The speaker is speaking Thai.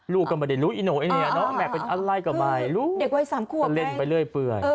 ลูกก็ไม่ได้รู้แม่เป็นอะไรกับมายลูกเล่นไปเรื่อย